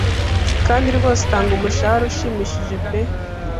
kandi rwose itanga umushahara ushimishije pe !